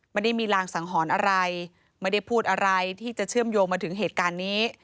ไม่ได้มีรางสังหรณ์อะไรไม่ได้พูดอะไรที่จะเชื่อมโยงมาถึงเหตุการณ์นี้